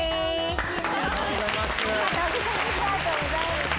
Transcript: ありがとうございます！